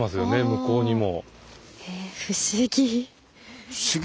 向こうにも。